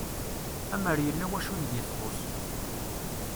Amer yella wacu deg i txuss